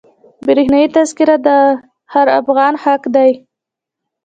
برښنایي تذکره د هر افغان حق دی.